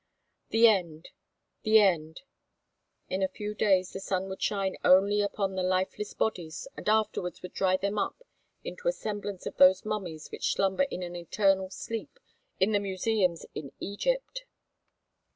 The end, the end! In a few days the sun would shine only upon the lifeless bodies and afterwards would dry them up into a semblance of those mummies which slumber in an eternal sleep in the museums in Egypt.